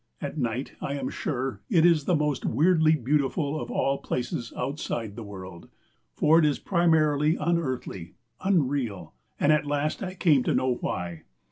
At night I am sure it is the most weirdly beautiful of all places outside the world. For it is primarily unearthly, unreal; and at last I came to know why.